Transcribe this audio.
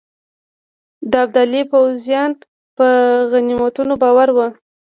د ابدالي پوځیان په غنیمتونو بار وه.